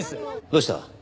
どうした？